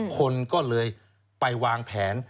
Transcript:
คนก็เลยไปวางแผน